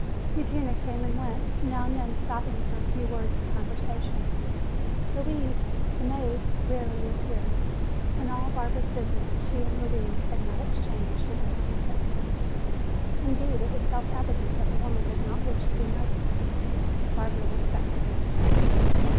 Eugenia came and went, now and then stopping for a few words of conversation. "Louise," the maid, rarely appeared. In all Barbara's visits she and "Louise" had not exchanged a dozen sentences. Indeed, it was self evident that the woman did not wish to be noticed. Barbara respected her desire.